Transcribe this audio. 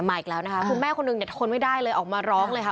อีกแล้วนะคะคุณแม่คนหนึ่งเนี่ยทนไม่ได้เลยออกมาร้องเลยค่ะ